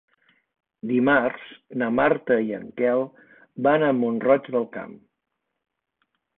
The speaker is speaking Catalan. Dimarts na Marta i en Quel van a Mont-roig del Camp.